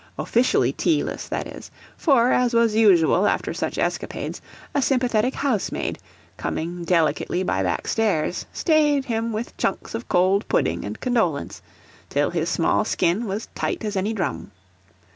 Officially tealess, that is; for, as was usual after such escapades, a sympathetic housemaid, coming delicately by backstairs, stayed him with chunks of cold pudding and condolence, till his small skin was tight as any drum.